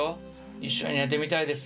一緒に寝てみたいですね。